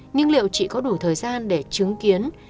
nhưng liệu chị có đủ thời gian để chứng kiến